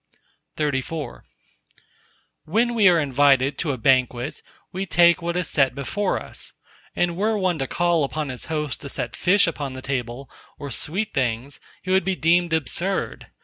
XXXV When we are invited to a banquet, we take what is set before us; and were one to call upon his host to set fish upon the table or sweet things, he would be deemed absurd.